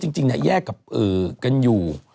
จริงแยกกับกันอยู่